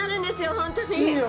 本当に。